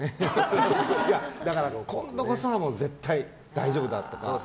だから今度こそ絶対、大丈夫だとか。